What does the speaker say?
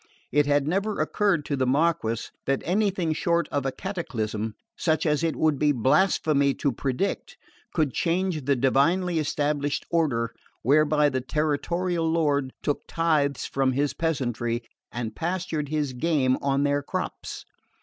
It had never occurred to the Marquess that anything short of a cataclysm such as it would be blasphemy to predict could change the divinely established order whereby the territorial lord took tithes from his peasantry and pastured his game on their crops.